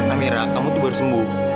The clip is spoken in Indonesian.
amera kamu tuh baru sembuh